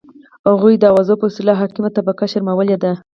هغوی د اوازو په وسیله حاکمه طبقه شرمولي ده.